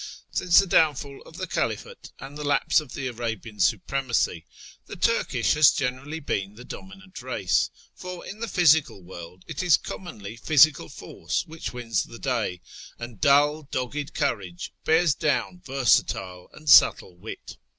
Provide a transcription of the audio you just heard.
Since the downfall of the Caliphate and the lapse of the Arabian supremacy, the Turkish has generally been the dominant race ; for in the physical world it is commonly physical force which wins the day, and dull, doGf^ed courage bears down versatile and subtle wit.